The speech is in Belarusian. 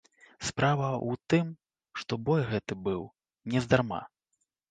Справа ў тым, што бой гэты быў нездарма.